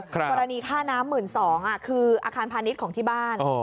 กรณีค่าน้ำ๑๒๐๐บาทคืออาคารพาณิชย์ของที่บ้าน